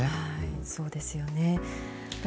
そうですよね。